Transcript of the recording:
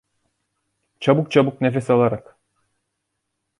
Çabuk çabuk nefes alarak.